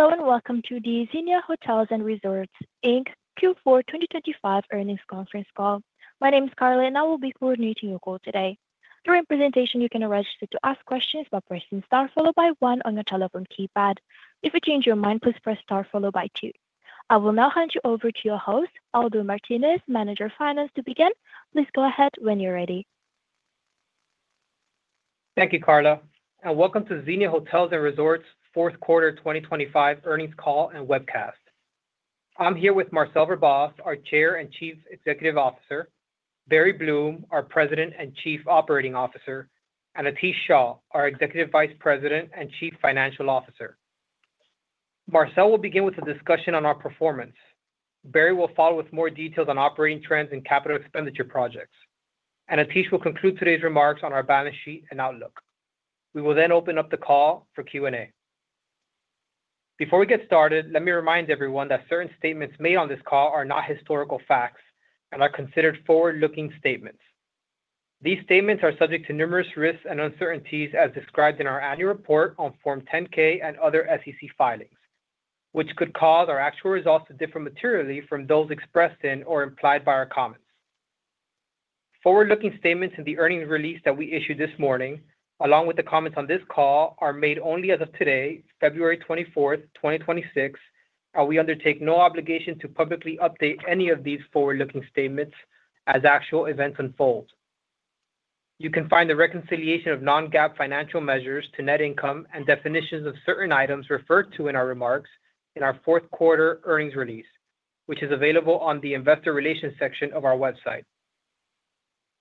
Hello, welcome to the Xenia Hotels & Resorts, Inc. Q4 2025 earnings conference call. My name is Carla, I will be coordinating your call today. During the presentation, you can register to ask questions by pressing star followed by one on your telephone keypad. If you change your mind, please press Star followed by two. I will now hand you over to your host, Aldo Martinez, Manager of Finance, to begin. Please go ahead when you're ready. Thank you, Carla, and welcome to Xenia Hotels & Resorts' fourth quarter 2025 earnings call and webcast. I'm here with Marcel Verbaas, our Chairman and Chief Executive Officer, Barry Bloom, our President and Chief Operating Officer, and Atish Shah, our Executive Vice President and Chief Financial Officer. Marcel will begin with a discussion on our performance. Barry will follow with more details on operating trends and capital expenditure projects, and Atish will conclude today's remarks on our balance sheet and outlook. We will then open up the call for Q&A. Before we get started, let me remind everyone that certain statements made on this call are not historical facts and are considered forward-looking statements. These statements are subject to numerous risks and uncertainties, as described in our annual report on Form 10-K and other SEC filings, which could cause our actual results to differ materially from those expressed in or implied by our comments. Forward-looking statements in the earnings release that we issued this morning, along with the comments on this call, are made only as of today, February 24th, 2026, and we undertake no obligation to publicly update any of these forward-looking statements as actual events unfold. You can find the reconciliation of non-GAAP financial measures to net income and definitions of certain items referred to in our remarks in our fourth quarter earnings release, which is available on the Investor Relations section of our website.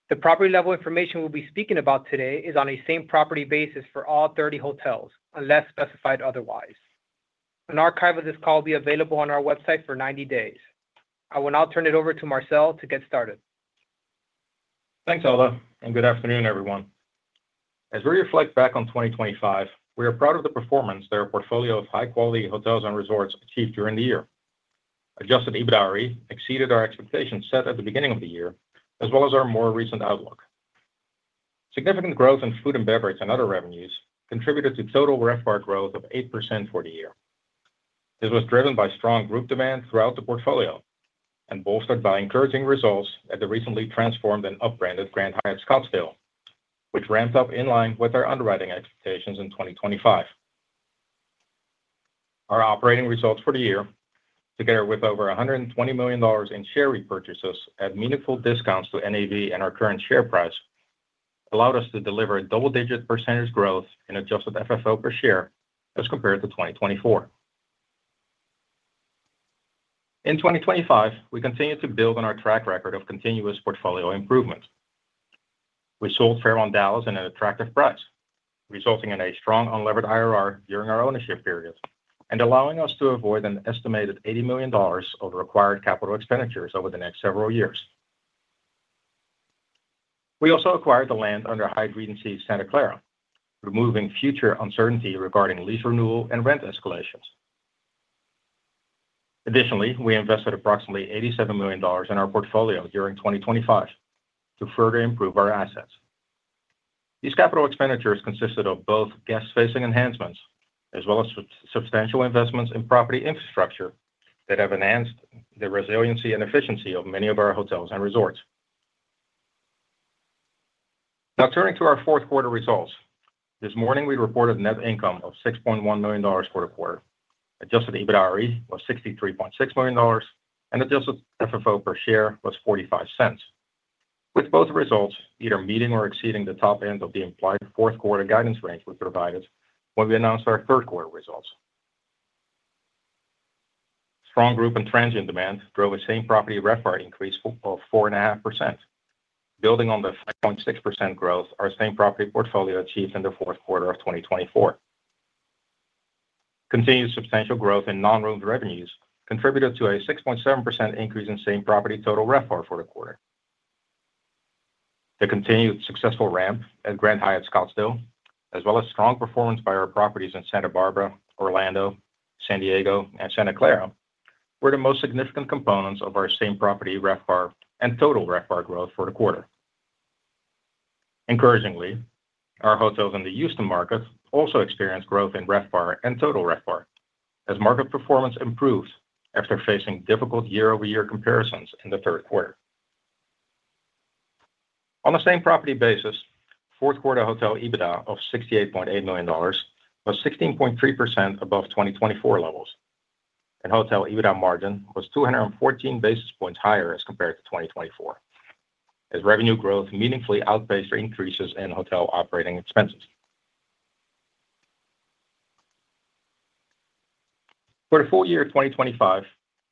The property-level information we'll be speaking about today is on a same-property basis for all 30 hotels, unless specified otherwise. An archive of this call will be available on our website for 90 days. I will now turn it over to Marcel to get started. Thanks, Aldo. Good afternoon, everyone. As we reflect back on 2025, we are proud of the performance that our portfolio of high-quality hotels and resorts achieved during the year. Adjusted EBITDAre exceeded our expectations set at the beginning of the year, as well as our more recent outlook. Significant growth in food and beverage and other revenues contributed to total RevPAR growth of 8% for the year. This was driven by strong group demand throughout the portfolio and bolstered by encouraging results at the recently transformed and upbranded Grand Hyatt Scottsdale, which ramped up in line with our underwriting expectations in 2025. Our operating results for the year, together with over $120 million in share repurchases at meaningful discounts to NAV and our current share price, allowed us to deliver a double-digit percentage growth in adjusted FFO per share as compared to 2024. In 2025, we continued to build on our track record of continuous portfolio improvements. We sold Fairmont Dallas at an attractive price, resulting in a strong unlevered IRR during our ownership period and allowing us to avoid an estimated $80 million of required capital expenditures over the next several years. We also acquired the land under Hyatt Regency Santa Clara, removing future uncertainty regarding lease renewal and rent escalations. Additionally, we invested approximately $87 million in our portfolio during 2025 to further improve our assets. These capital expenditures consisted of both guest-facing enhancements as well as substantial investments in property infrastructure that have enhanced the resiliency and efficiency of many of our hotels and resorts. Turning to our fourth quarter results. This morning, we reported net income of $6.1 million for the quarter. Adjusted EBITDAre was $63.6 million, and adjusted FFO per share was $0.45, with both results either meeting or exceeding the top end of the implied fourth quarter guidance range we provided when we announced our third quarter results. Strong group and transient demand drove a same property RevPAR increase of 4.5%, building on the 5.6% growth our same property portfolio achieved in the fourth quarter of 2024. Continued substantial growth in non-room revenues contributed to a 6.7% increase in same-property total RevPAR for the quarter. The continued successful ramp at Grand Hyatt Scottsdale, as well as strong performance by our properties in Santa Barbara, Orlando, San Diego, and Santa Clara, were the most significant components of our same-property RevPAR and total RevPAR growth for the quarter. Encouragingly, our hotels in the Houston market also experienced growth in RevPAR and total RevPAR as market performance improves after facing difficult year-over-year comparisons in the third quarter. On a same-property basis, fourth quarter hotel EBITDA of $68.8 million was 16.3% above 2024 levels, and hotel EBITDA margin was 214 basis points higher as compared to 2024, as revenue growth meaningfully outpaced increases in hotel operating expenses. For the full year of 2025,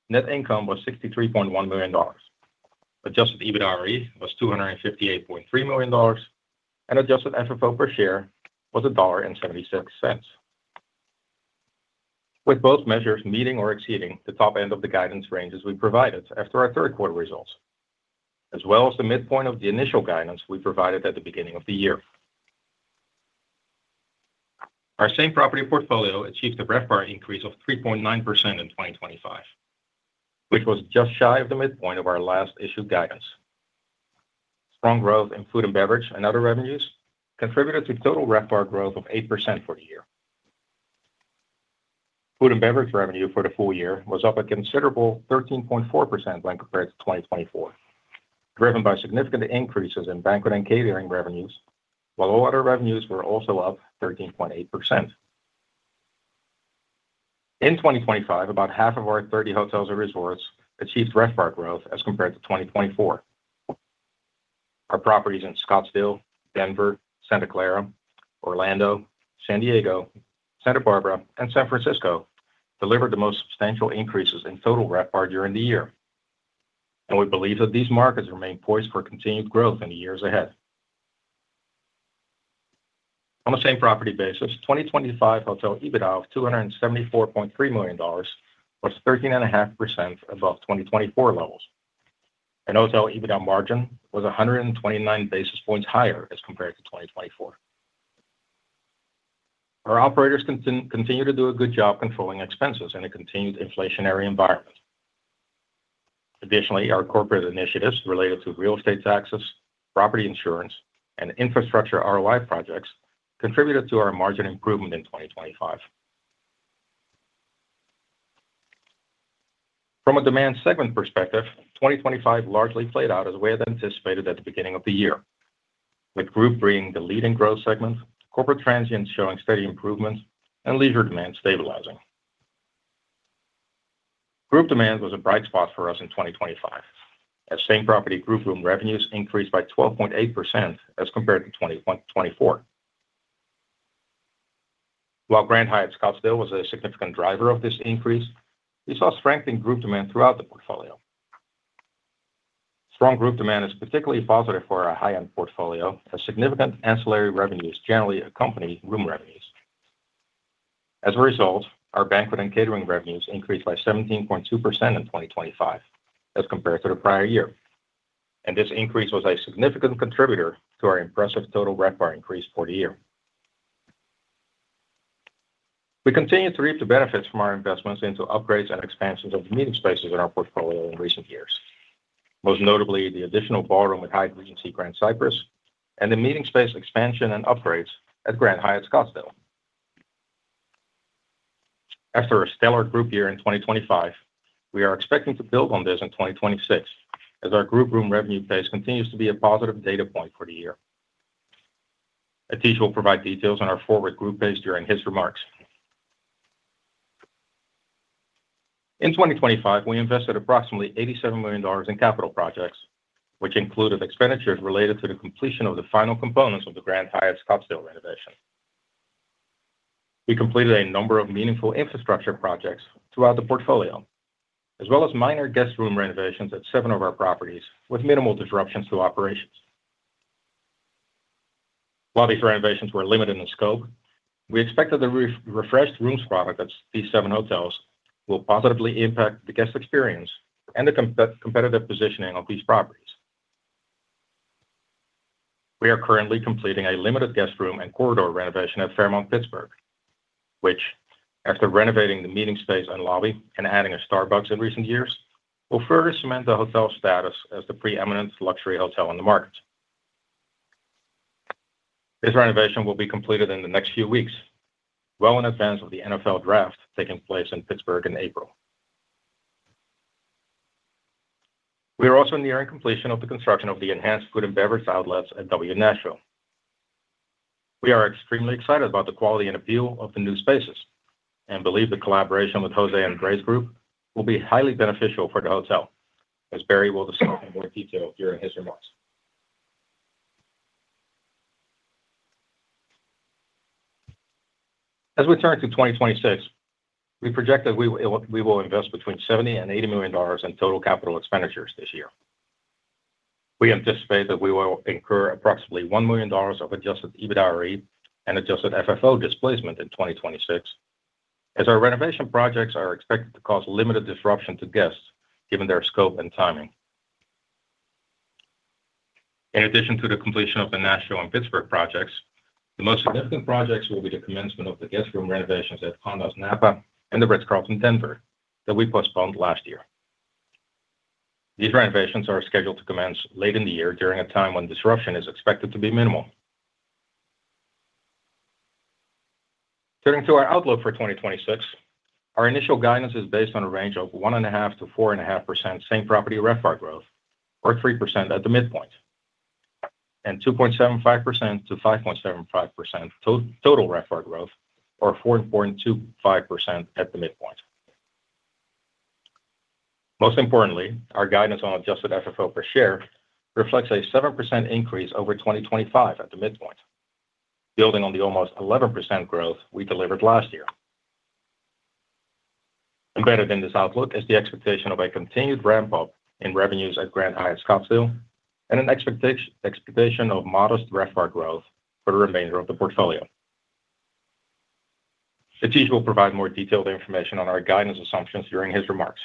net income was $63.1 million. Adjusted EBITDAre was $258.3 million, and adjusted FFO per share was $1.76, with both measures meeting or exceeding the top end of the guidance ranges we provided after our third quarter results, as well as the midpoint of the initial guidance we provided at the beginning of the year. Our same property portfolio achieved a RevPAR increase of 3.9% in 2025, which was just shy of the midpoint of our last issued guidance. Strong growth in food and beverage and other revenues contributed to total RevPAR growth of 8% for the year. Food and beverage revenue for the full year was up a considerable 13.4% when compared to 2024, driven by significant increases in banquet and catering revenues, while all other revenues were also up 13.8%. In 2025, about half of our 30 hotels and resorts achieved RevPAR growth as compared to 2024. Our properties in Scottsdale, Denver, Santa Clara, Orlando, San Diego, Santa Barbara, and San Francisco delivered the most substantial increases in total RevPAR during the year, and we believe that these markets remain poised for continued growth in the years ahead. On the same property basis, 2025 hotel EBITDA of $274.3 million was 13.5% above 2024 levels, and hotel EBITDA margin was 129 basis points higher as compared to 2024. Our operators continue to do a good job controlling expenses in a continued inflationary environment. Additionally, our corporate initiatives related to real estate taxes, property insurance, and infrastructure ROI projects contributed to our margin improvement in 2025. From a demand segment perspective, 2025 largely played out as we had anticipated at the beginning of the year, with group bringing the leading growth segment, corporate transient showing steady improvement, and leisure demand stabilizing. Group demand was a bright spot for us in 2025, as same-property group room revenues increased by 12.8% as compared to 2024. While Grand Hyatt Scottsdale was a significant driver of this increase, we saw strength in group demand throughout the portfolio. Strong group demand is particularly positive for our high-end portfolio, as significant ancillary revenues generally accompany room revenues. Our banquet and catering revenues increased by 17.2% in 2025 as compared to the prior year. This increase was a significant contributor to our impressive total RevPAR increase for the year. We continue to reap the benefits from our investments into upgrades and expansions of the meeting spaces in our portfolio in recent years. Most notably, the additional ballroom at Hyatt Regency Grand Cypress and the meeting space expansion and upgrades at Grand Hyatt Scottsdale. After a stellar group year in 2025, we are expecting to build on this in 2026. Our group room revenue pace continues to be a positive data point for the year. Atish will provide details on our forward group pace during his remarks. In 2025, we invested approximately $87 million in capital projects, which included expenditures related to the completion of the final components of the Grand Hyatt Scottsdale renovation. We completed a number of meaningful infrastructure projects throughout the portfolio, as well as minor guest room renovations at 7 of our properties, with minimal disruptions to operations. While these renovations were limited in scope, we expect that the refreshed rooms product at these 7 hotels will positively impact the guest experience and the competitive positioning of these properties. We are currently completing a limited guest room and corridor renovation at Fairmont Pittsburgh, which, after renovating the meeting space and lobby and adding a Starbucks in recent years, will further cement the hotel's status as the preeminent luxury hotel in the market. This renovation will be completed in the next few weeks, well in advance of the NFL Draft taking place in Pittsburgh in April. We are also nearing completion of the construction of the enhanced food and beverage outlets at W Nashville. We are extremely excited about the quality and appeal of the new spaces and believe the collaboration with José Andrés Group will be highly beneficial for the hotel, as Barry will discuss in more detail during his remarks. We turn to 2026, we project that we will invest between $70 million and $80 million in total capital expenditures this year. We anticipate that we will incur approximately $1 million of adjusted EBITDAre and adjusted FFO displacement in 2026, as our renovation projects are expected to cause limited disruption to guests, given their scope and timing. In addition to the completion of the Nashville and Pittsburgh projects, the most significant projects will be the commencement of the guest room renovations at Andaz Napa and The Ritz-Carlton, Denver that we postponed last year. These renovations are scheduled to commence late in the year, during a time when disruption is expected to be minimal. Turning to our outlook for 2026, our initial guidance is based on a range of 1.5%-4.5% same-property RevPAR growth, or 3% at the midpoint, and 2.75%-5.75% total RevPAR growth, or 4.25% at the midpoint. Most importantly, our guidance on adjusted FFO per share reflects a 7% increase over 2025 at the midpoint, building on the almost 11% growth we delivered last year. Embedded in this outlook is the expectation of a continued ramp-up in revenues at Grand Hyatt Scottsdale and an expectation of modest RevPAR growth for the remainder of the portfolio. Atish will provide more detailed information on our guidance assumptions during his remarks.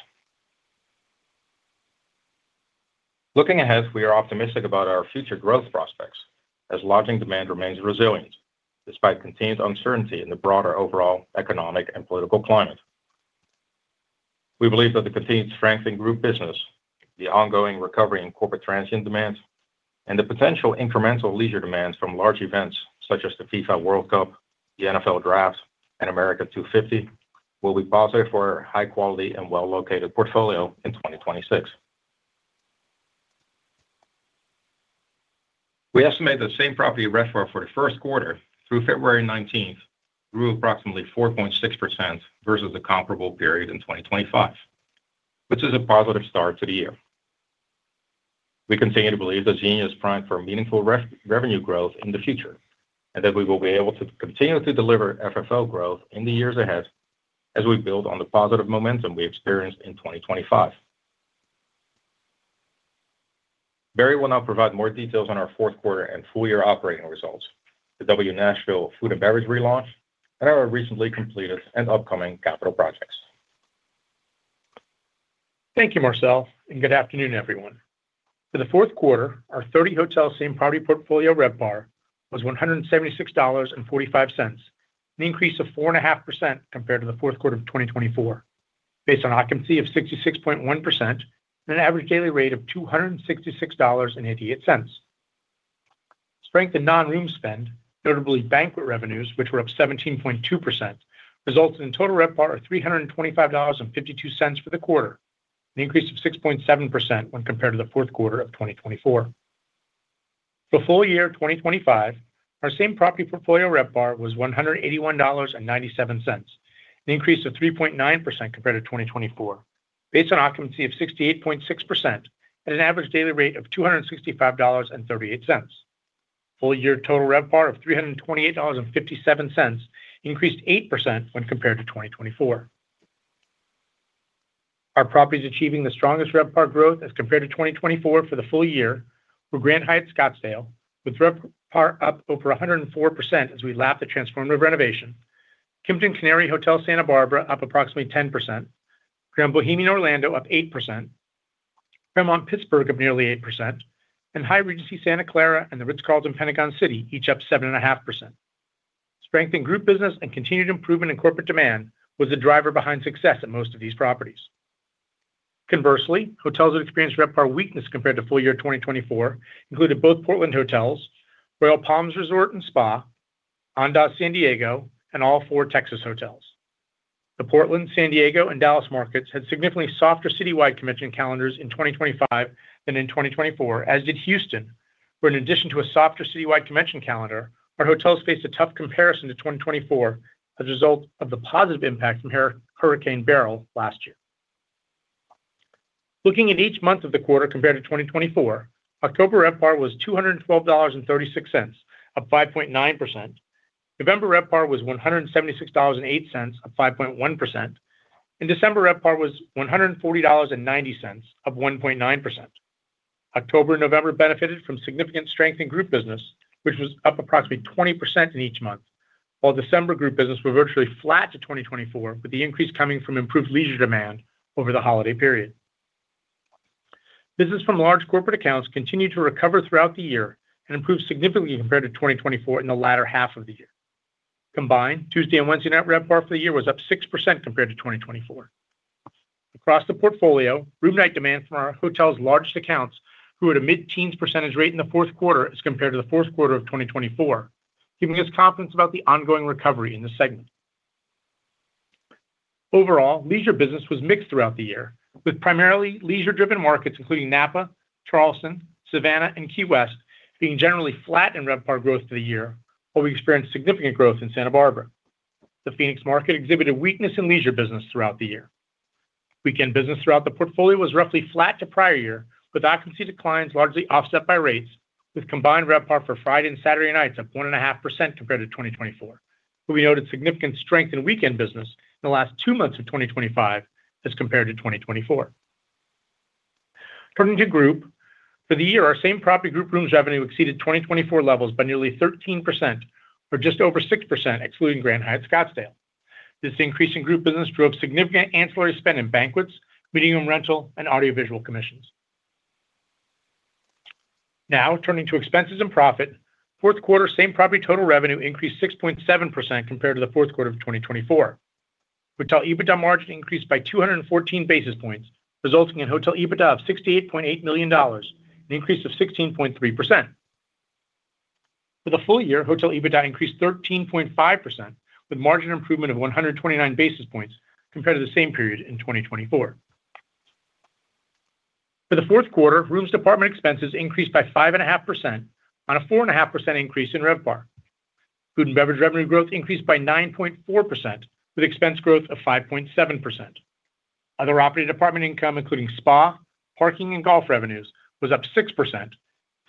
Looking ahead, we are optimistic about our future growth prospects as lodging demand remains resilient, despite continued uncertainty in the broader overall economic and political climate. We believe that the continued strength in group business, the ongoing recovery in corporate transient demand, and the potential incremental leisure demand from large events such as the FIFA World Cup, the NFL Draft, and America 250, will be positive for our high quality and well-located portfolio in 2026. We estimate the same property RevPAR for the first quarter through February 19th, grew approximately 4.6% versus the comparable period in 2025, which is a positive start to the year. We continue to believe that Xenia is primed for meaningful revenue growth in the future, and that we will be able to continue to deliver FFO growth in the years ahead as we build on the positive momentum we experienced in 2025. Barry will now provide more details on our fourth quarter and full year operating results, the W Nashville food and beverage relaunch, and our recently completed and upcoming capital projects. Thank you, Marcel. Good afternoon, everyone. For the fourth quarter, our 30 hotel same-property portfolio RevPAR was $176.45, an increase of 4.5% compared to the fourth quarter of 2024, based on occupancy of 66.1% and an average daily rate of $266.88. Strength in non-room spend, notably banquet revenues, which were up 17.2%, resulted in total RevPAR of $325.52 for the quarter, an increase of 6.7% when compared to the fourth quarter of 2024. For full year 2025, our same property portfolio RevPAR was $181.97, an increase of 3.9% compared to 2024, based on occupancy of 68.6% at an average daily rate of $265.38. Full year total RevPAR of $328.57, increased 8% when compared to 2024. Our properties achieving the strongest RevPAR growth as compared to 2024 for the full year were Grand Hyatt Scottsdale, with RevPAR up over 104% as we lap the transformative renovation. Kimpton Canary Hotel Santa Barbara, up approximately 10%, Grand Bohemian Orlando, up 8%, Fairmont Pittsburgh, up nearly 8%, and Hyatt Regency Santa Clara and The Ritz-Carlton, Pentagon City, each up 7.5%. Strengthening group business and continued improvement in corporate demand was the driver behind success at most of these properties. Conversely, hotels that experienced RevPAR weakness compared to full year 2024 included both Portland hotels, Royal Palms Resort and Spa, Andaz San Diego, and all four Texas hotels. The Portland, San Diego, and Dallas markets had significantly softer citywide convention calendars in 2025 than in 2024, as did Houston, where in addition to a softer citywide convention calendar, our hotels faced a tough comparison to 2024 as a result of the positive impact from Hurricane Beryl last year. Looking at each month of the quarter compared to 2024, October RevPAR was $212.36, up 5.9%. November RevPAR was $176.08, up 5.1%, and December RevPAR was $140.90, up 1.9%. October and November benefited from significant strength in group business, which was up approximately 20% in each month, while December group business were virtually flat to 2024, with the increase coming from improved leisure demand over the holiday period. Business from large corporate accounts continued to recover throughout the year and improved significantly compared to 2024 in the latter half of the year. Combined, Tuesday and Wednesday night RevPAR for the year was up 6% compared to 2024. Across the portfolio, room night demand from our hotel's largest accounts grew at a mid-teens percentage rate in the fourth quarter as compared to the fourth quarter of 2024, giving us confidence about the ongoing recovery in this segment. Overall, leisure business was mixed throughout the year, with primarily leisure-driven markets, including Napa, Charleston, Savannah, and Key West, being generally flat in RevPAR growth for the year, while we experienced significant growth in Santa Barbara. The Phoenix market exhibited weakness in leisure business throughout the year. Weekend business throughout the portfolio was roughly flat to prior year, with occupancy declines largely offset by rates, with combined RevPAR for Friday and Saturday nights up 1.5% compared to 2024, where we noted significant strength in weekend business in the last two months of 2025 as compared to 2024. Turning to group. For the year, our same property group rooms revenue exceeded 2024 levels by nearly 13% or just over 6%, excluding Grand Hyatt Scottsdale. This increase in group business drove significant ancillary spend in banquets, meeting room rental, and audiovisual commissions. Turning to expenses and profit, fourth quarter same-property total revenue increased 6.7% compared to the fourth quarter of 2024. Hotel EBITDA margin increased by 214 basis points, resulting in hotel EBITDA of $68.8 million, an increase of 16.3%. For the full year, hotel EBITDA increased 13.5%, with margin improvement of 129 basis points compared to the same period in 2024. For the fourth quarter, rooms department expenses increased by 5.5% on a 4.5% increase in RevPAR. Food and beverage revenue growth increased by 9.4%, with expense growth of 5.7%. Other operating department income, including spa, parking, and golf revenues, was up 6%, and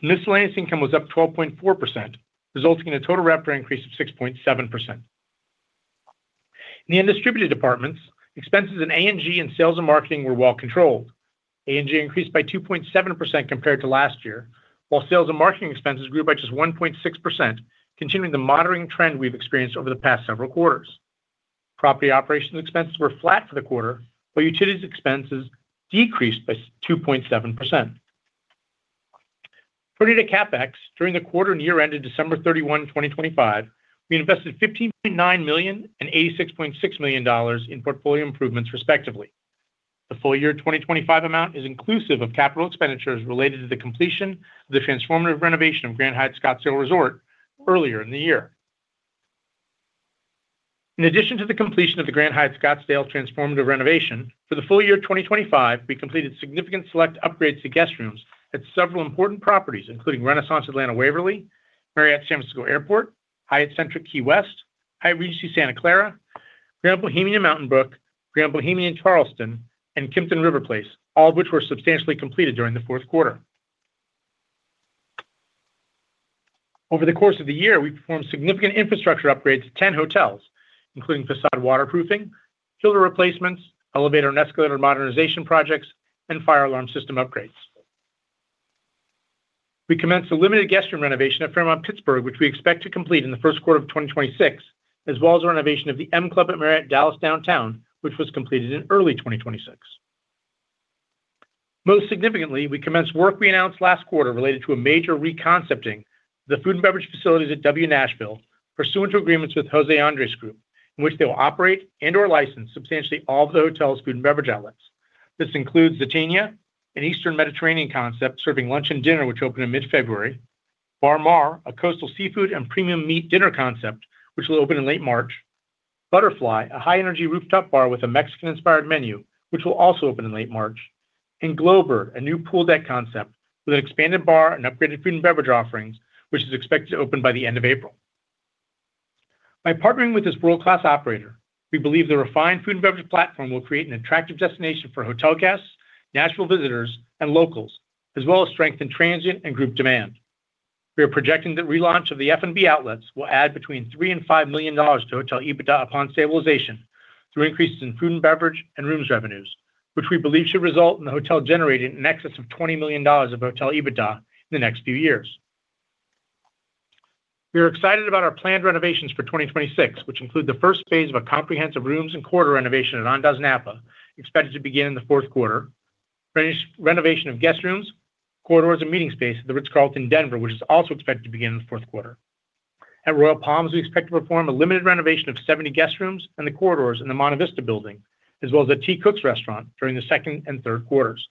miscellaneous income was up 12.4%, resulting in a total RevPAR increase of 6.7%. In the undistributed departments, expenses in A&G and sales and marketing were well controlled. A&G increased by 2.7% compared to last year, while sales and marketing expenses grew by just 1.6%, continuing the monitoring trend we've experienced over the past several quarters. Property operations expenses were flat for the quarter, utilities expenses decreased by 2.7%. Turning to CapEx, during the quarter and year ended December 31, 2025, we invested $15.9 million and $86.6 million in portfolio improvements, respectively. The full year 2025 amount is inclusive of capital expenditures related to the completion of the transformative renovation of Grand Hyatt Scottsdale Resort earlier in the year. In addition to the completion of the Grand Hyatt Scottsdale transformative renovation, for the full year 2025, we completed significant select upgrades to guest rooms at several important properties, including Renaissance Atlanta Waverly, Marriott San Francisco Airport, Hyatt Centric Key West, Hyatt Regency Santa Clara, Grand Bohemian Mountain Brook, Grand Bohemian Charleston, and Kimpton RiverPlace, all of which were substantially completed during the fourth quarter. Over the course of the year, we performed significant infrastructure upgrades to 10 hotels, including facade waterproofing, chiller replacements, elevator and escalator modernization projects, and fire alarm system upgrades. We commenced a limited guest room renovation at Fairmont Pittsburgh, which we expect to complete in the first quarter of 2026, as well as a renovation of the M Club at Marriott Dallas Downtown, which was completed in early 2026. Most significantly, we commenced work we announced last quarter related to a major reconcepting the food and beverage facilities at W Nashville, pursuant to agreements with José Andrés Group, in which they will operate and or license substantially all the hotel's food and beverage outlets. This includes Zaytinya, an Eastern Mediterranean concept, serving lunch and dinner, which opened in mid-February; Bar Mar, a coastal seafood and premium meat dinner concept, which will open in late March; Butterfly, a high-energy rooftop bar with a Mexican-inspired menu, which will also open in late March; and Glowbird, a new pool deck concept with an expanded bar and upgraded food and beverage offerings, which is expected to open by the end of April. By partnering with this world-class operator, we believe the refined food and beverage platform will create an attractive destination for hotel guests, Nashville visitors, and locals, as well as strengthen transient and group demand. We are projecting the relaunch of the F&B outlets will add between $3 million and $5 million to hotel EBITDA upon stabilization, through increases in food and beverage and rooms revenues, which we believe should result in the hotel generating in excess of $20 million of hotel EBITDA in the next few years. We are excited about our planned renovations for 2026, which include the first phase of a comprehensive rooms and quarter renovation at Andaz Napa, expected to begin in the fourth quarter. Renovation of guest rooms, corridors, and meeting space at The Ritz-Carlton, Denver, which is also expected to begin in the fourth quarter. At Royal Palms, we expect to perform a limited renovation of 70 guest rooms and the corridors in the Montevista building, as well as a T. Cook's restaurant during the second and third quarters.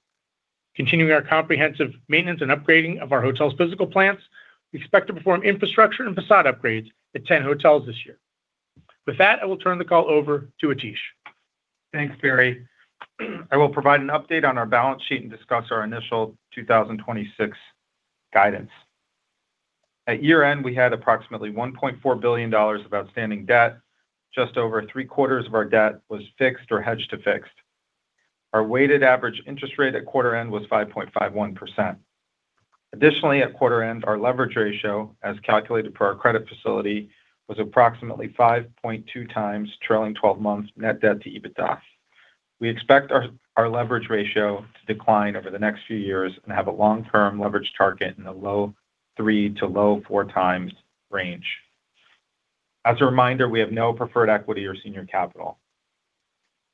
Continuing our comprehensive maintenance and upgrading of our hotel's physical plants, we expect to perform infrastructure and facade upgrades at 10 hotels this year. With that, I will turn the call over to Atish. Thanks, Barry. I will provide an update on our balance sheet and discuss our initial 2026 guidance. At year-end, we had approximately $1.4 billion of outstanding debt. Just over three-quarters of our debt was fixed or hedged to fixed. Our weighted average interest rate at quarter end was 5.51%. At quarter end, our leverage ratio, as calculated per our credit facility, was approximately 5.2x trailing 12 months net debt to EBITDA. We expect our leverage ratio to decline over the next few years and have a long-term leverage target in the low 3-low 4x range. As a reminder, we have no preferred equity or senior capital.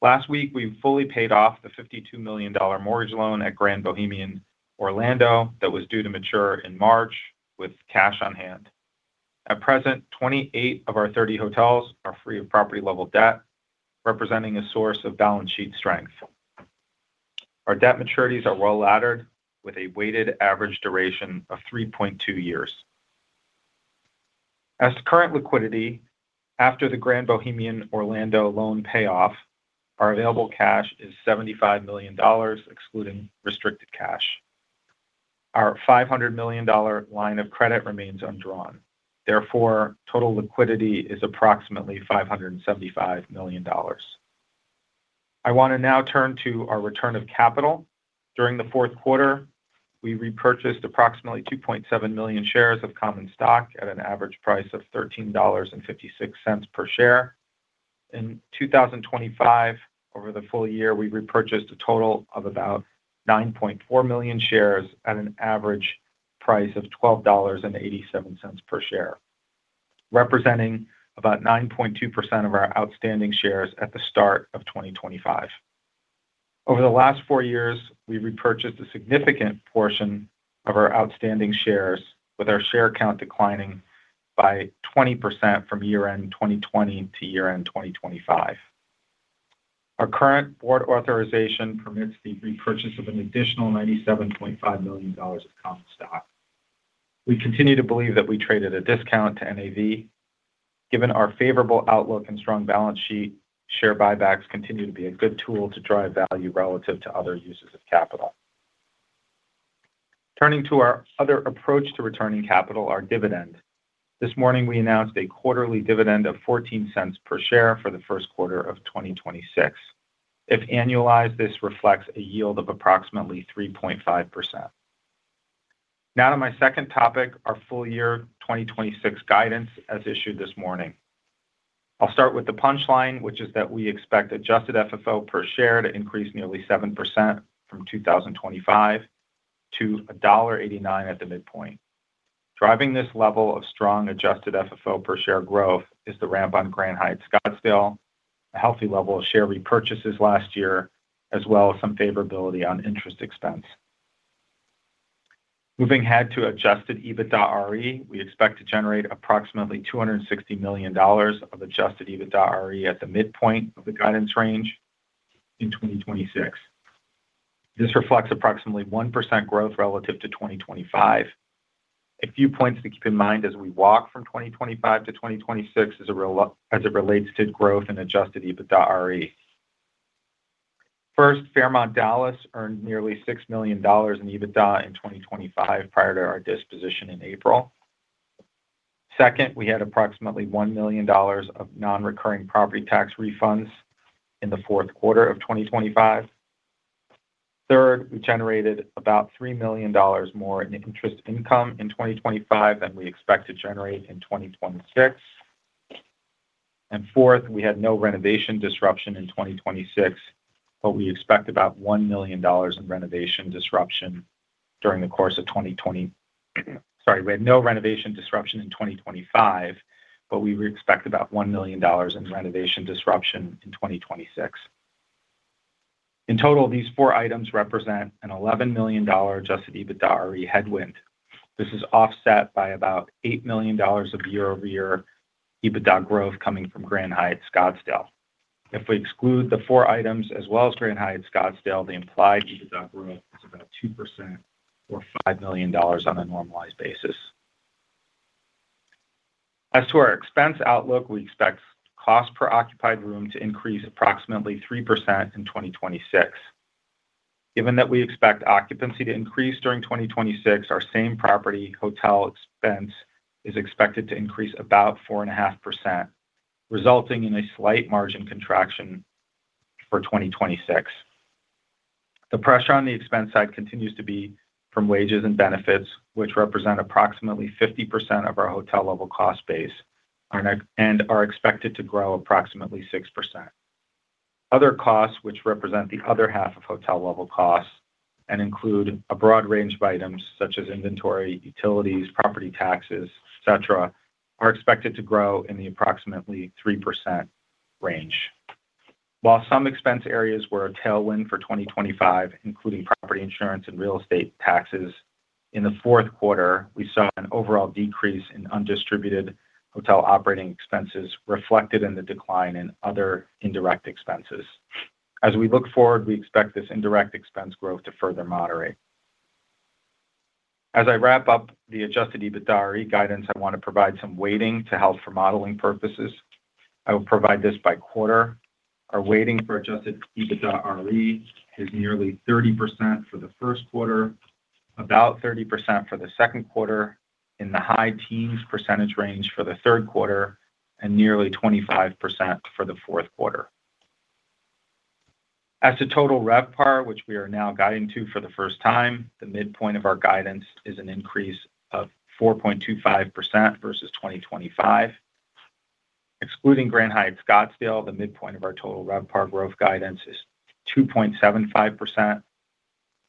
Last week, we fully paid off the $52 million mortgage loan at Grand Bohemian Orlando that was due to mature in March with cash on hand. At present, 28 of our 30 hotels are free of property-level debt, representing a source of balance sheet strength. Our debt maturities are well-laddered, with a weighted average duration of 3.2 years. As to current liquidity, after the Grand Bohemian Orlando loan payoff, our available cash is $75 million, excluding restricted cash. Our $500 million line of credit remains undrawn, therefore, total liquidity is approximately $575 million. I want to now turn to our return of capital. During the fourth quarter, we repurchased approximately 2.7 million shares of common stock at an average price of $13.56 per share. In 2025, over the full year, we repurchased a total of about 9.4 million shares at an average price of $12.87 per share, representing about 9.2% of our outstanding shares at the start of 2025. Over the last four years, we've repurchased a significant portion of our outstanding shares, with our share count declining by 20% from year-end 2020 to year-end 2025. Our current board authorization permits the repurchase of an additional $97.5 million of common stock. We continue to believe that we trade at a discount to NAV. Given our favorable outlook and strong balance sheet, share buybacks continue to be a good tool to drive value relative to other uses of capital. Turning to our other approach to returning capital, our dividend. This morning, we announced a quarterly dividend of $0.14 per share for the first quarter of 2026. If annualized, this reflects a yield of approximately 3.5%. To my second topic, our full year 2026 guidance as issued this morning. I'll start with the punchline, which is that we expect adjusted FFO per share to increase nearly 7% from 2025 to $1.89 at the midpoint. Driving this level of strong adjusted FFO per share growth is the ramp on Grand Hyatt Scottsdale, a healthy level of share repurchases last year, as well as some favorability on interest expense. Moving ahead to adjusted EBITDAre, we expect to generate approximately $260 million of adjusted EBITDAre at the midpoint of the guidance range in 2026. This reflects approximately 1% growth relative to 2025. A few points to keep in mind as we walk from 2025 to 2026 as it relates to growth and adjusted EBITDAre. First, Fairmont Dallas earned nearly $6 million in EBITDA in 2025 prior to our disposition in April. Second, we had approximately $1 million of non-recurring property tax refunds in the fourth quarter of 2025. Third, we generated about $3 million more in interest income in 2025 than we expect to generate in 2026. Fourth, Sorry. We had no renovation disruption in 2025, but we expect about $1 million in renovation disruption in 2026. In total, these four items represent an $11 million adjusted EBITDAre headwind. This is offset by about $8 million of year-over-year EBITDA growth coming from Grand Hyatt Scottsdale. If we exclude the four items as well as Grand Hyatt Scottsdale, the implied EBITDA growth is about 2% or $5 million on a normalized basis. As to our expense outlook, we expect cost per occupied room to increase approximately 3% in 2026. Given that we expect occupancy to increase during 2026, our same property hotel expense is expected to increase about 4.5%, resulting in a slight margin contraction for 2026. The pressure on the expense side continues to be from wages and benefits, which represent approximately 50% of our hotel level cost base and are expected to grow approximately 6%. Other costs, which represent the other half of hotel level costs and include a broad range of items such as inventory, utilities, property taxes, et cetera, are expected to grow in the approximately 3% range. While some expense areas were a tailwind for 2025, including property insurance and real estate taxes, in the fourth quarter, we saw an overall decrease in undistributed hotel operating expenses reflected in the decline in other indirect expenses. As we look forward, we expect this indirect expense growth to further moderate. As I wrap up the adjusted EBITDAre guidance, I want to provide some weighting to help for modeling purposes. I will provide this by quarter. Our weighting for adjusted EBITDAre is nearly 30% for the first quarter, about 30% for the second quarter, in the high teens percentage range for the third quarter, and nearly 25% for the fourth quarter. As to total RevPAR, which we are now guiding to for the first time, the midpoint of our guidance is an increase of 4.25% versus 2025. Excluding Grand Hyatt Scottsdale, the midpoint of our total RevPAR growth guidance is 2.75%.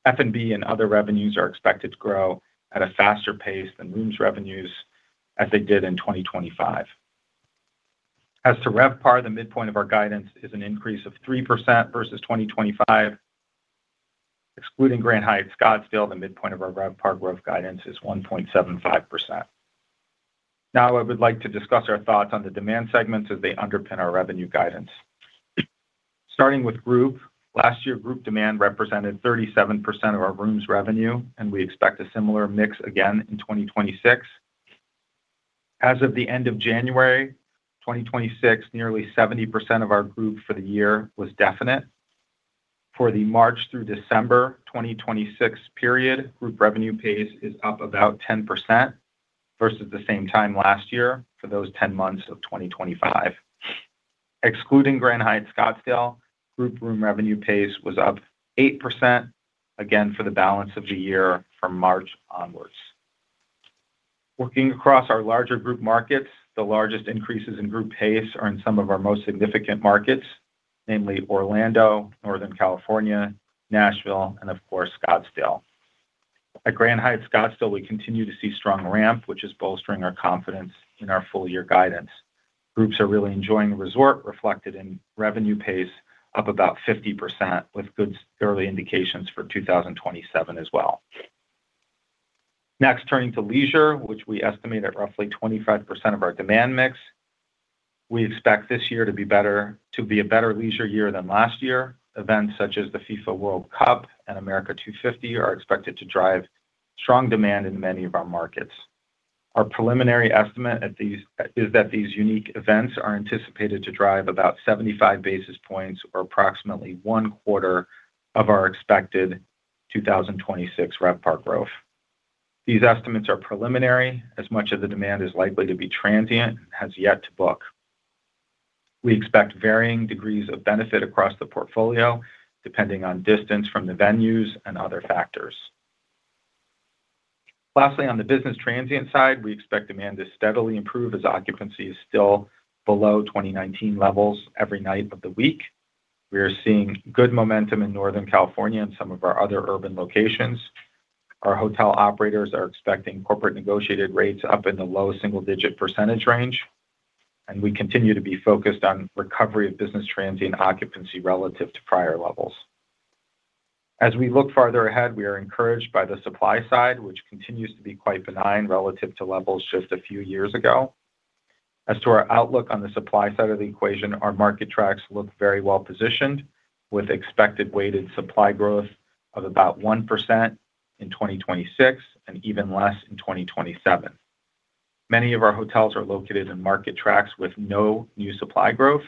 F&B and other revenues are expected to grow at a faster pace than rooms revenues, as they did in 2025. As to RevPAR, the midpoint of our guidance is an increase of 3% versus 2025. Excluding Grand Hyatt Scottsdale, the midpoint of our RevPAR growth guidance is 1.75%. I would like to discuss our thoughts on the demand segments as they underpin our revenue guidance. Starting with group, last year, group demand represented 37% of our rooms revenue, and we expect a similar mix again in 2026. As of the end of January 2026, nearly 70% of our group for the year was definite. For the March through December 2026 period, group revenue pace is up about 10% versus the same time last year for those 10 months of 2025. Excluding Grand Hyatt Scottsdale, group room revenue pace was up 8%, again, for the balance of the year from March onwards. Looking across our larger group markets, the largest increases in group pace are in some of our most significant markets, namely Orlando, Northern California, Nashville, and of course, Scottsdale. At Grand Hyatt Scottsdale, we continue to see strong ramp, which is bolstering our confidence in our full year guidance. Groups are really enjoying the resort, reflected in revenue pace, up about 50%, with good early indications for 2027 as well. Turning to leisure, which we estimate at roughly 25% of our demand mix. We expect this year to be better, to be a better leisure year than last year. Events such as the FIFA World Cup and America 250 are expected to drive strong demand in many of our markets. Our preliminary estimate is that these unique events are anticipated to drive about 75 basis points or approximately one quarter of our expected 2026 RevPAR growth. These estimates are preliminary, as much of the demand is likely to be transient and has yet to book. We expect varying degrees of benefit across the portfolio, depending on distance from the venues and other factors. On the business transient side, we expect demand to steadily improve as occupancy is still below 2019 levels every night of the week. We are seeing good momentum in Northern California and some of our other urban locations. Our hotel operators are expecting corporate negotiated rates up in the low single-digit percentage range, and we continue to be focused on recovery of business transient occupancy relative to prior levels. As we look farther ahead, we are encouraged by the supply side, which continues to be quite benign relative to levels just a few years ago. As to our outlook on the supply side of the equation, our market tracks look very well positioned, with expected weighted supply growth of about 1% in 2026 and even less in 2027. Many of our hotels are located in market tracks with no new supply growth.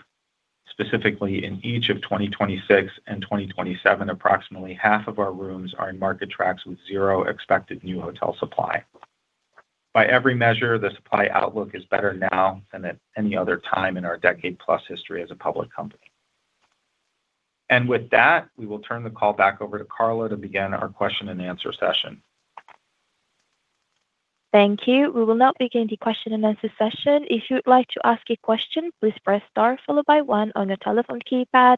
Specifically, in each of 2026 and 2027, approximately half of our rooms are in market tracks with zero expected new hotel supply. By every measure, the supply outlook is better now than at any other time in our decade-plus history as a public company. With that, we will turn the call back over to Carla to begin our question-and-answer session. Thank you. We will now begin the question-and-answer session. If you would like to ask a question, please press star, followed by one on your telephone keypad.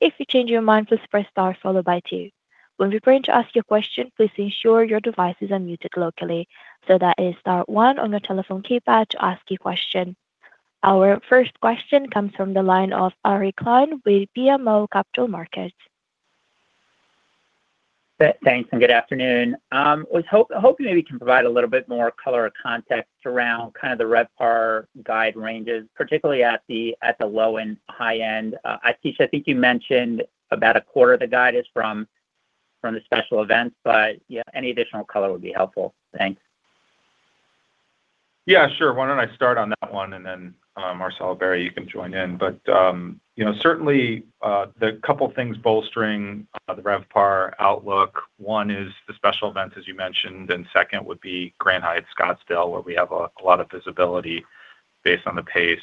If you change your mind, please press star, followed by two. When preparing to ask your question, please ensure your device is unmuted locally. That is star one on your telephone keypad to ask a question. Our first question comes from the line of Ari Klein with BMO Capital Markets. Thanks, good afternoon. Hoping maybe you can provide a little bit more color or context around kind of the RevPAR guide ranges, particularly at the low and high end. Atish, I think you mentioned about a quarter of the guide is from the special events, yeah, any additional color would be helpful. Thanks. Yeah, sure. Why don't I start on that one, and then Marcel, Barry, you can join in. You know, certainly, the couple of things bolstering the RevPAR outlook. One is the special events, as you mentioned, and second would be Grand Hyatt Scottsdale, where we have a lot of visibility based on the pace.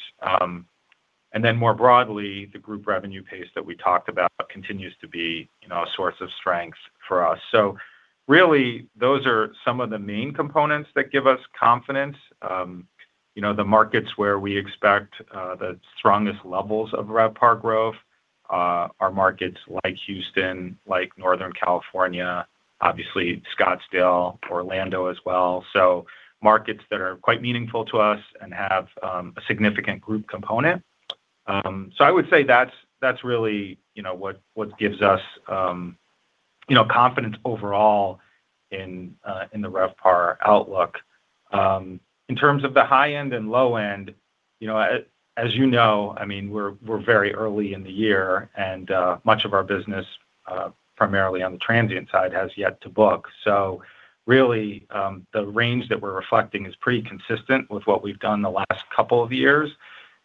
More broadly, the group revenue pace that we talked about continues to be, you know, a source of strength for us. Really, those are some of the main components that give us confidence. You know, the markets where we expect the strongest levels of RevPAR growth are markets like Houston, like Northern California, obviously Scottsdale, Orlando as well. Markets that are quite meaningful to us and have a significant group component. I would say that's really, you know, what gives us, you know, confidence overall in the RevPAR outlook. In terms of the high end and low end, you know, as you know, I mean, we're very early in the year, and much of our business, primarily on the transient side, has yet to book. Really, the range that we're reflecting is pretty consistent with what we've done the last couple of years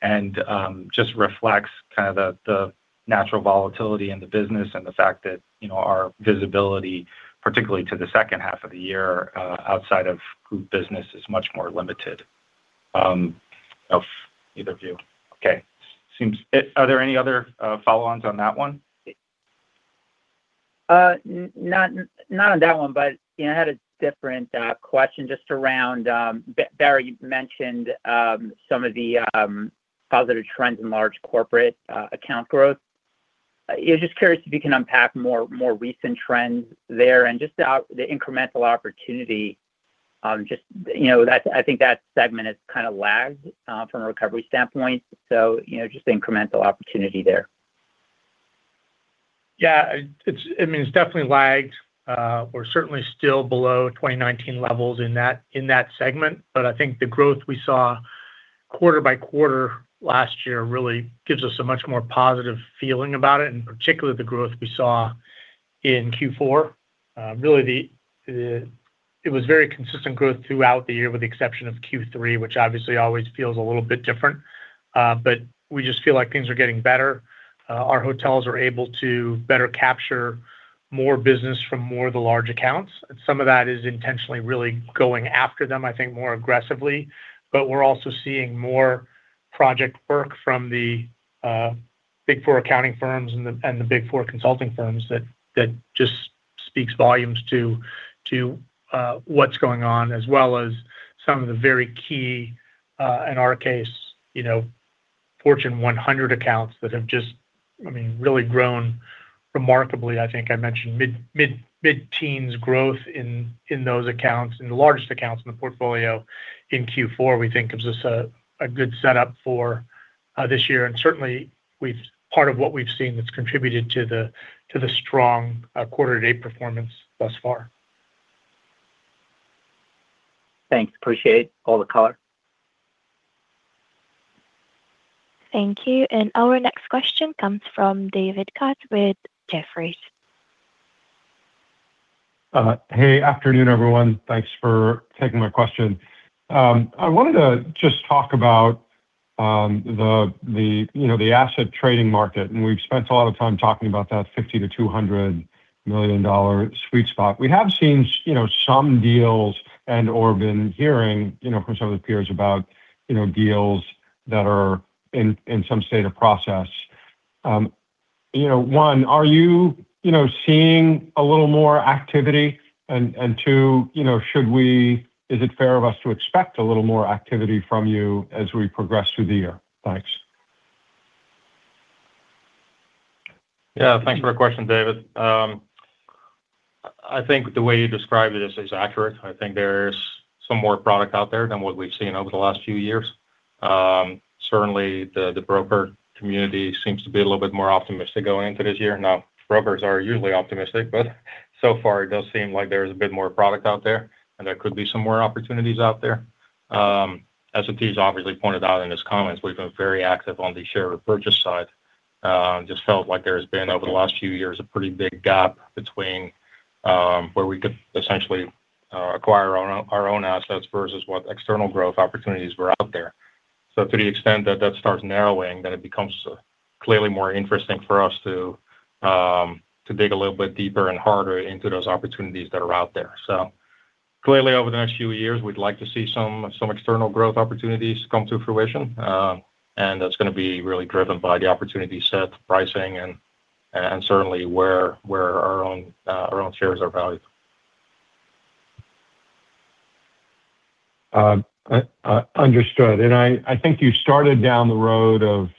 and just reflects kind of the natural volatility in the business and the fact that, you know, our visibility, particularly to the second half of the year, outside of group business, is much more limited. Okay, are there any other follow-ons on that one? Not on that one. You know, I had a different question just around Barry, you mentioned some of the positive trends in large corporate account growth. I was just curious if you can unpack more recent trends there and just the incremental opportunity. Just, you know, that's I think that segment is kinda lagged from a recovery standpoint, so, you know, just the incremental opportunity there. I mean, it's definitely lagged. We're certainly still below 2019 levels in that segment, but I think the growth we saw quarter by quarter last year really gives us a much more positive feeling about it, and particularly the growth we saw in Q4. Really, it was very consistent growth throughout the year, with the exception of Q3, which obviously always feels a little bit different. We just feel like things are getting better. Our hotels are able to better capture more business from more of the large accounts, and some of that is intentionally really going after them, I think, more aggressively. We're also seeing more project work from the Big Four accounting firms and the Big Four consulting firms that just speaks volumes to what's going on, as well as some of the very key, you know, Fortune 100 accounts that have just, I mean, really grown remarkably. I think I mentioned mid-teens growth in those accounts, in the largest accounts in the portfolio in Q4, we think, gives us a good setup for this year, and certainly part of what we've seen that's contributed to the strong quarter to date performance thus far. Thanks. Appreciate all the color. Thank you, our next question comes from David Katz with Jefferies. Hey, afternoon, everyone. Thanks for taking my question. I wanted to just talk about, the, you know, the asset trading market, and we've spent a lot of time talking about that $50 million-$200 million sweet spot. We have seen, you know, some deals and/or been hearing, you know, from some of the peers about, you know, deals that are in some state of process. You know, one, are you know, seeing a little more activity? Two, you know, is it fair of us to expect a little more activity from you as we progress through the year? Thanks. Yeah, thanks for the question, David. I think the way you described it is accurate. I think there's some more product out there than what we've seen over the last few years. Certainly the broker community seems to be a little bit more optimistic going into this year. Brokers are usually optimistic, but so far it does seem like there is a bit more product out there, and there could be some more opportunities out there. As Atish obviously pointed out in his comments, we've been very active on the share repurchase side. Just felt like there has been, over the last few years, a pretty big gap between where we could essentially acquire our own assets versus what external growth opportunities were out there. To the extent that that starts narrowing, then it becomes clearly more interesting for us to dig a little bit deeper and harder into those opportunities that are out there. Clearly, over the next few years, we'd like to see some external growth opportunities come to fruition. And that's gonna be really driven by the opportunity set, pricing, and certainly where our own shares are valued. I understood. I think you started down the road of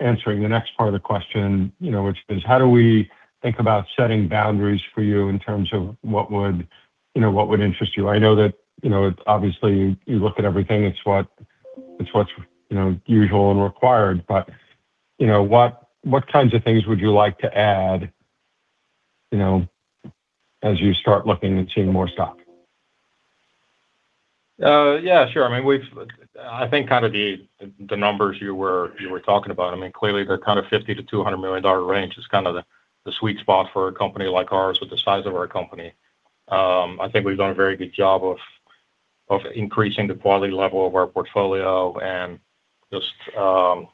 answering the next part of the question, you know, which is: How do we think about setting boundaries for you in terms of what would, you know, what would interest you? I know that, you know, obviously, you look at everything. It's what's, you know, usual and required. You know, what kinds of things would you like to add, you know, as you start looking and seeing more stock? Yeah, sure. I mean, I think kind of the numbers you were talking about, I mean, clearly they're kind of $50 million-$200 million range is kind of the sweet spot for a company like ours with the size of our company. I think we've done a very good job of increasing the quality level of our portfolio and just, yeah,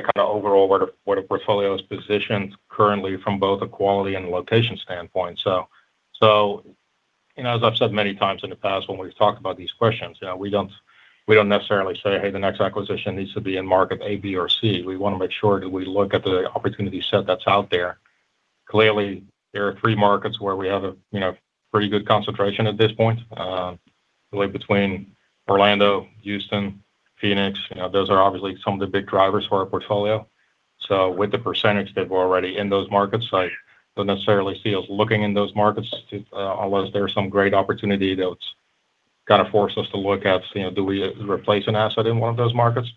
kind of overall, where the portfolio is positioned currently from both a quality and location standpoint. You know, as I've said many times in the past, when we've talked about these questions, you know, we don't necessarily say, "Hey, the next acquisition needs to be in market A, B, or C." We want to make sure that we look at the opportunity set that's out there. Clearly, there are three markets where we have a, you know, pretty good concentration at this point. Really between Orlando, Houston, Phoenix, you know, those are obviously some of the big drivers for our portfolio. With the percentage that we're already in those markets, I don't necessarily see us looking in those markets to, unless there's some great opportunity that's gonna force us to look at, you know, do we replace an asset in one of those markets?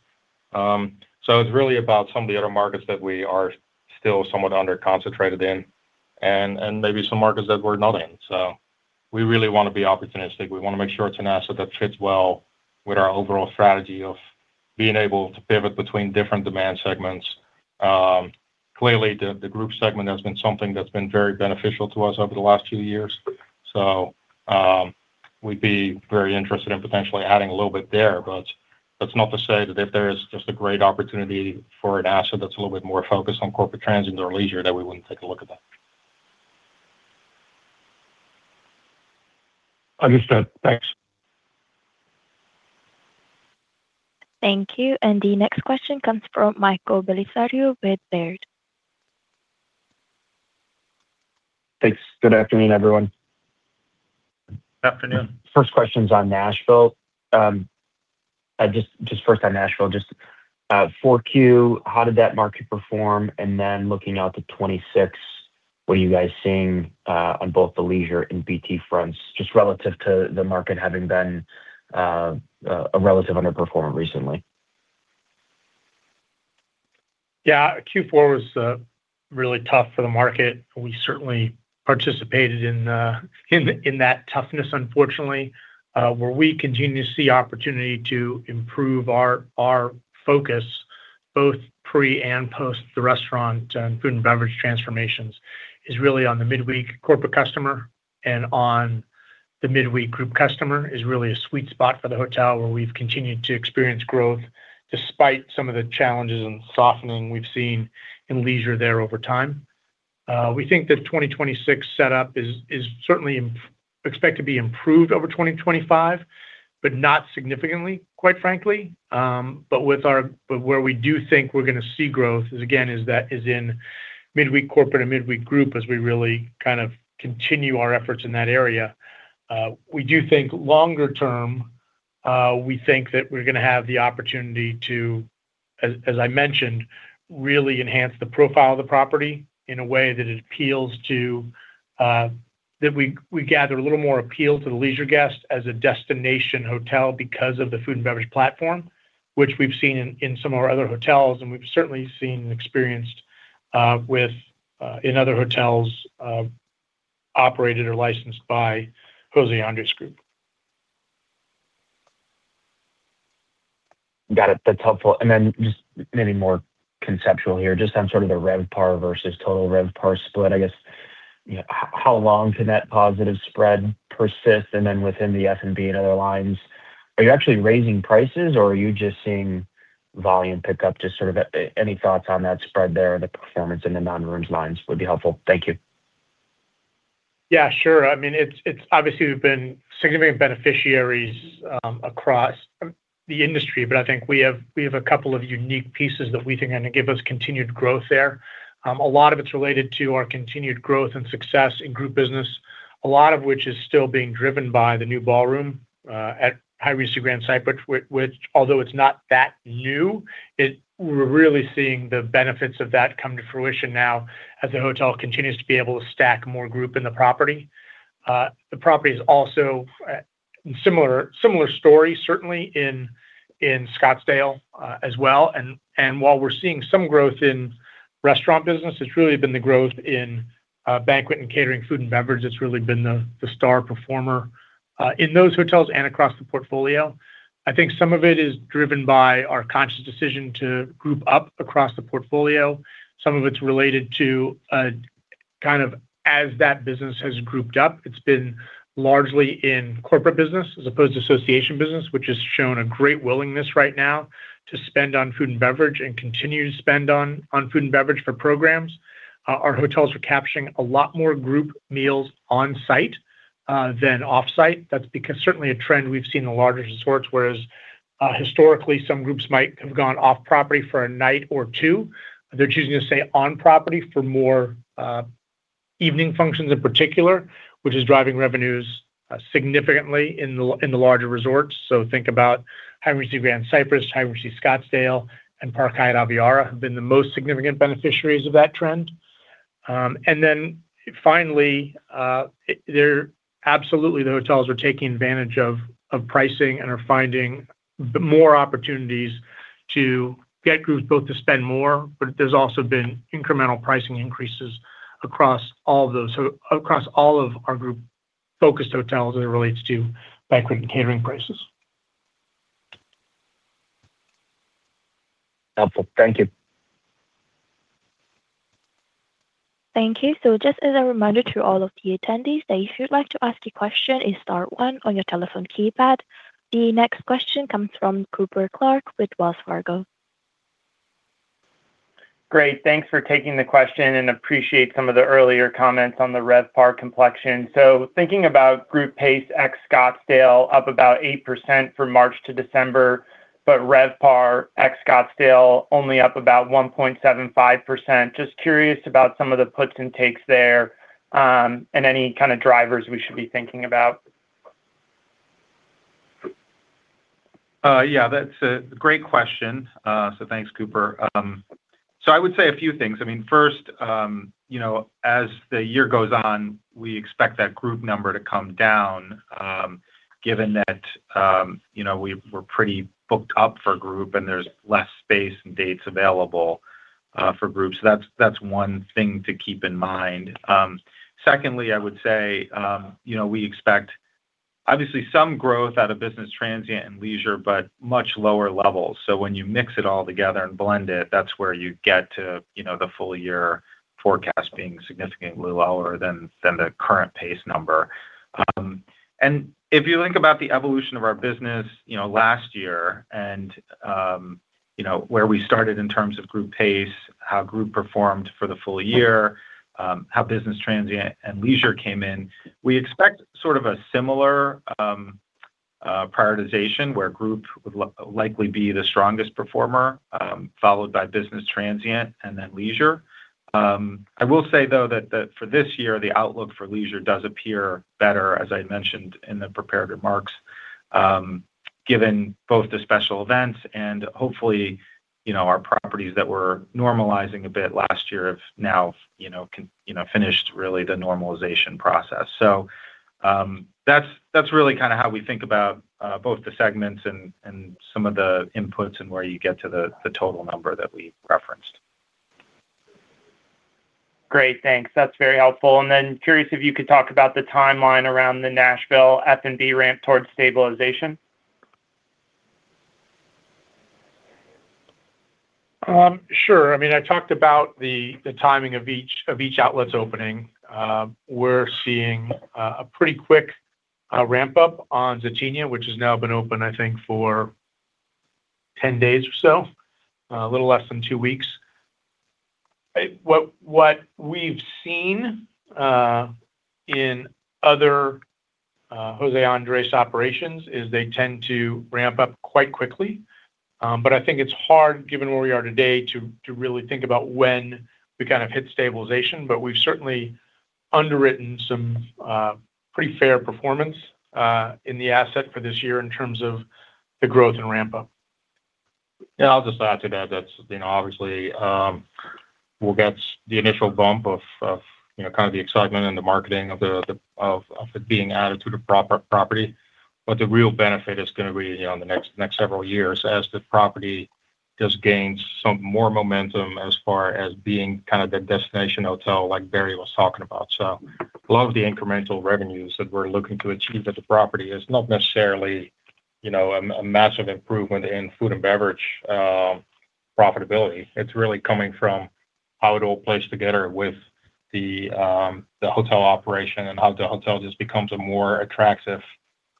It's really about some of the other markets that we are still somewhat under concentrated in and maybe some markets that we're not in. We really want to be opportunistic. We want to make sure it's an asset that fits well with our overall strategy of being able to pivot between different demand segments. Clearly, the group segment has been something that's been very beneficial to us over the last few years, so we'd be very interested in potentially adding a little bit there. That's not to say that if there is just a great opportunity for an asset that's a little bit more focused on corporate transient or leisure, that we wouldn't take a look at that. Understood. Thanks. Thank you. The next question comes from Michael Bellisario with Baird. Thanks. Good afternoon, everyone. Afternoon. First question's on Nashville. Just first on Nashville, 4Q, how did that market perform? Looking out to 2026, what are you guys seeing on both the leisure and BT fronts, just relative to the market having been a relative underperformer recently? Q4 was really tough for the market. We certainly participated in that toughness, unfortunately. Where we continue to see opportunity to improve our focus, both pre and post the restaurant and food and beverage transformations, is really on the midweek corporate customer and on the midweek group customer, is really a sweet spot for the hotel where we've continued to experience growth despite some of the challenges and softening we've seen in leisure there over time. We think the 2026 setup is certainly expect to be improved over 2025, but not significantly, quite frankly. Where we do think we're gonna see growth is again is that in midweek corporate and midweek group, as we really kind of continue our efforts in that area. We do think longer term, we think that we're gonna have the opportunity to, as I mentioned, really enhance the profile of the property in a way that it appeals to, that we gather a little more appeal to the leisure guest as a destination hotel because of the food and beverage platform, which we've seen in some of our other hotels and we've certainly seen and experienced with in other hotels, operated or licensed by José Andrés Group. Got it. That's helpful. Just maybe more conceptual here, just on sort of the RevPAR versus total RevPAR split, I guess, you know, how long can that positive spread persist? Within the F&B and other lines, are you actually raising prices, or are you just seeing volume pick up? Just sort of, any thoughts on that spread there, the performance in the non-rooms lines would be helpful. Thank you. Yeah, sure. I mean, it's obviously, we've been significant beneficiaries across the industry, but I think we have a couple of unique pieces that we think are going to give us continued growth there. A lot of which is still being driven by the new ballroom, at Hyatt Regency Grand Cypress, which although it's not that new, we're really seeing the benefits of that come to fruition now as the hotel continues to be able to stack more group in the property. The property is also, similar story, certainly in Scottsdale, as well. While we're seeing some growth in restaurant business, it's really been the growth in banquet and catering, food and beverage that's really been the star performer in those hotels and across the portfolio. I think some of it is driven by our conscious decision to group up across the portfolio. Some of it's related to kind of as that business has grouped up, it's been largely in corporate business as opposed to association business, which has shown a great willingness right now to spend on food and beverage and continue to spend on food and beverage for programs. Our hotels are capturing a lot more group meals on site than off-site. That's because certainly a trend we've seen in the larger resorts, whereas historically, some groups might have gone off property for a night or two. They're choosing to stay on property for more evening functions in particular, which is driving revenues significantly in the larger resorts. Think about Hyatt Regency Grand Cypress, Grand Hyatt Scottsdale, and Park Hyatt Aviara have been the most significant beneficiaries of that trend. Finally, absolutely, the hotels are taking advantage of pricing and are finding the more opportunities to get groups both to spend more, but there's also been incremental pricing increases across all of those. Across all of our group-focused hotels, as it relates to banquet and catering prices. Helpful. Thank you. Thank you. Just as a reminder to all of the attendees, that if you'd like to ask a question, hit star one on your telephone keypad. The next question comes from Cooper Clark with Wells Fargo. Great. Thanks for taking the question, and appreciate some of the earlier comments on the RevPAR complexion. Thinking about group pace at Scottsdale, up about 8% from March to December, but RevPAR at Scottsdale, only up about 1.75%. Curious about some of the puts and takes there, and any kind of drivers we should be thinking about? Yeah, that's a great question. Thanks, Cooper. I would say a few things. I mean, first, you know, as the year goes on, we expect that group number to come down, given that, you know, we're pretty booked up for group and there's less space and dates available for groups. That's one thing to keep in mind. Secondly, I would say, you know, we expect obviously some growth out of business, transient, and leisure, but much lower levels. When you mix it all together and blend it, that's where you get to, you know, the full year forecast being significantly lower than the current pace number. If you think about the evolution of our business, you know, last year, you know, where we started in terms of group pace, how group performed for the full year, how business transient and leisure came in, we expect sort of a similar prioritization, where group would likely be the strongest performer, followed by business transient and then leisure. I will say, though, that for this year, the outlook for leisure does appear better, as I mentioned in the prepared remarks, given both the special events and hopefully, you know, our properties that were normalizing a bit last year have now, you know, finished really the normalization process. That's really kinda how we think about both the segments and some of the inputs and where you get to the total number that we referenced. Great, thanks. That's very helpful. Then curious if you could talk about the timeline around the Nashville F&B ramp towards stabilization? I mean, I talked about the timing of each, of each outlets opening. We're seeing a pretty quick ramp-up on Zaytinya, which has now been open, I think, for 10 days or so, a little less than 2 weeks. What we've seen in other José Andrés operations is they tend to ramp up quite quickly. I think it's hard, given where we are today, to really think about when we kind of hit stabilization, but we've certainly underwritten some pretty fair performance in the asset for this year in terms of the growth and ramp-up. Yeah, I'll just add to that's, you know, obviously, we'll get the initial bump of, you know, kind of the excitement and the marketing of it being added to the property. The real benefit is gonna be, you know, in the next several years as the property just gains some more momentum as far as being kind of the destination hotel like Barry was talking about. A lot of the incremental revenues that we're looking to achieve at the property is not necessarily, you know, a massive improvement in food and beverage profitability. It's really coming from how it all plays together with the hotel operation and how the hotel just becomes a more attractive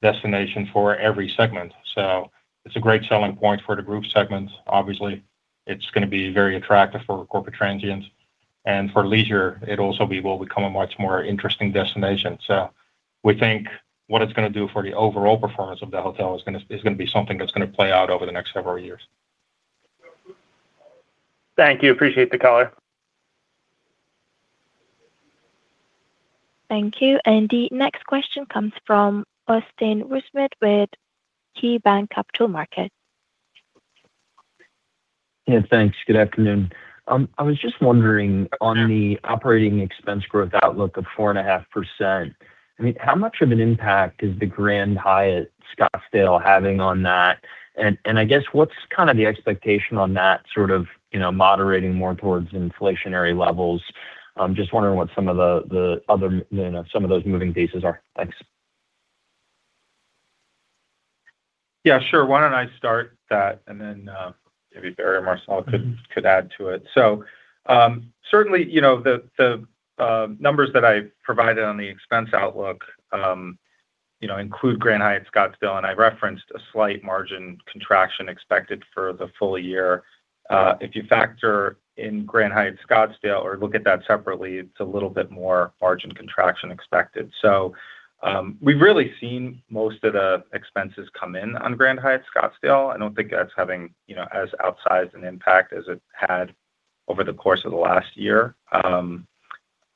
destination for every segment. It's a great selling point for the group segment. Obviously, it's gonna be very attractive for corporate transients. For leisure, it also will become a much more interesting destination. We think what it's gonna do for the overall performance of the hotel is gonna be something that's gonna play out over the next several years. Thank you. Appreciate the caller. Thank you. The next question comes from Austin Wurschmidt with KeyBanc Capital Markets. Yeah, thanks. Good afternoon. I was just wondering, on the OpEx growth outlook of 4.5%, I mean, how much of an impact is the Grand Hyatt Scottsdale having on that? I guess what's kind of the expectation on that sort of, you know, moderating more towards inflationary levels? I'm just wondering what some of the other, you know, some of those moving pieces are. Thanks. Yeah, sure. Why don't I start that, maybe Barry or Marcel could add to it? Certainly, you know, the numbers that I provided on the expense outlook, you know, include Grand Hyatt Scottsdale, and I referenced a slight margin contraction expected for the full year. If you factor in Grand Hyatt Scottsdale or look at that separately, it's a little bit more margin contraction expected. We've really seen most of the expenses come in on Grand Hyatt Scottsdale. I don't think that's having, you know, as outsized an impact as it had over the course of the last year.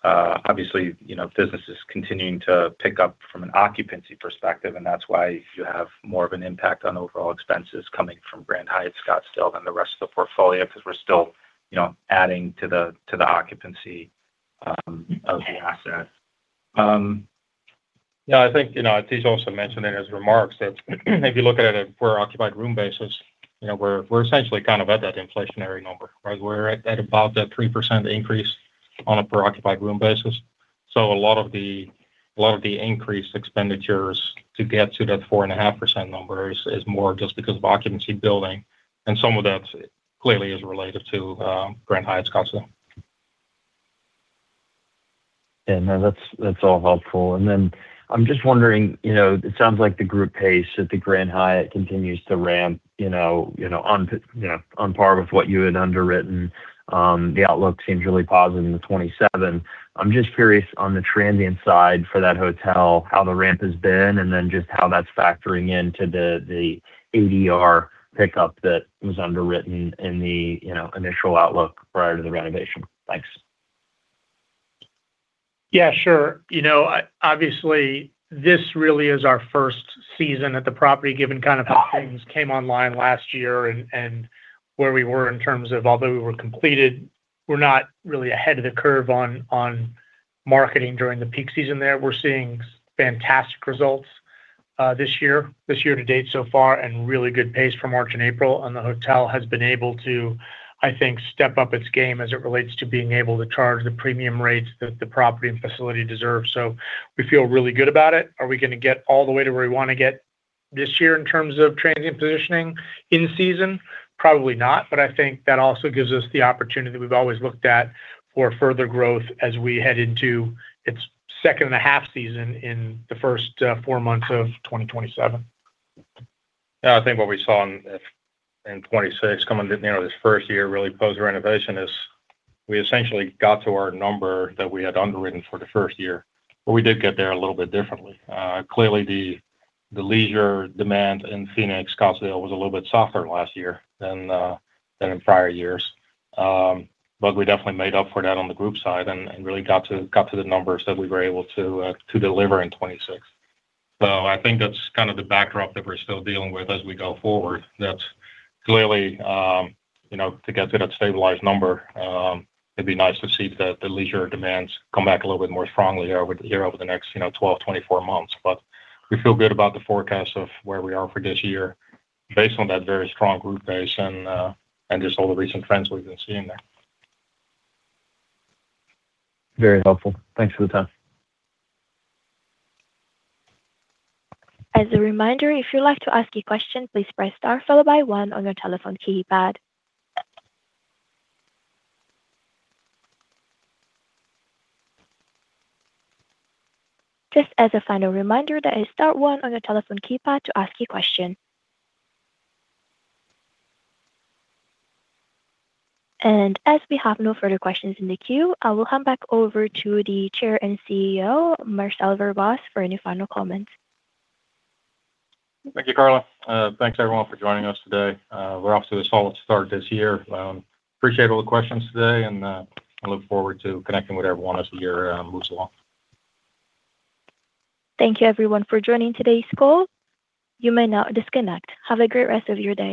Obviously, you know, business is continuing to pick up from an occupancy perspective, and that's why you have more of an impact on overall expenses coming from Grand Hyatt Scottsdale than the rest of the portfolio, because we're still, you know, adding to the occupancy of the asset. Yeah, I think, you know, Atish also mentioned in his remarks, that if you look at it per occupied room basis, you know, we're essentially kind of at that inflationary number, right? We're at about that 3% increase on a per occupied room basis. A lot of the increased expenditures to get to that 4.5% number is more just because of occupancy building, and some of that clearly is related to Grand Hyatt Scottsdale. That's all helpful. I'm just wondering, you know, it sounds like the group pace at the Grand Hyatt continues to ramp, you know, on par with what you had underwritten. The outlook seems really positive in 2027. I'm just curious on the transient side for that hotel, how the ramp has been, and then just how that's factoring in to the ADR pickup that was underwritten in the, you know, initial outlook prior to the renovation. Thanks. Yeah, sure. You know, obviously, this really is our first season at the property, given kind of how things came online last year and where we were. Although we were completed, we're not really ahead of the curve on marketing during the peak season there. We're seeing fantastic results this year to date so far, and really good pace for March and April, and the hotel has been able to, I think, step up its game as it relates to being able to charge the premium rates that the property and facility deserves. We feel really good about it. Are we gonna get all the way to where we want to get this year in terms of transient positioning in season? Probably not. I think that also gives us the opportunity we've always looked at for further growth as we head into its second and a half season in the first four months of 2027. Yeah, I think what we saw in 2026, coming to, you know, this first year, really post renovation, is we essentially got to our number that we had underwritten for the first year, but we did get there a little bit differently. Clearly, the leisure demand in Phoenix, Scottsdale, was a little bit softer last year than in prior years. We definitely made up for that on the group side and really got to the numbers that we were able to deliver in 2026. I think that's kind of the backdrop that we're still dealing with as we go forward. That's clearly, you know, to get to that stabilized number, it'd be nice to see the leisure demands come back a little bit more strongly over the next, you know, 12, 24 months. We feel good about the forecast of where we are for this year based on that very strong group base and just all the recent trends we've been seeing there. Very helpful. Thanks for the time. As a reminder, if you'd like to ask a question, please press star followed by one on your telephone keypad. Just as a final reminder, that is star one on your telephone keypad to ask a question. As we have no further questions in the queue, I will hand back over to the Chair and CEO, Marcel Verbaas, for any final comments. Thank you, Carla. Thanks, everyone, for joining us today. We're off to a solid start this year. Appreciate all the questions today, and I look forward to connecting with everyone as the year moves along. Thank you, everyone, for joining today's call. You may now disconnect. Have a great rest of your day.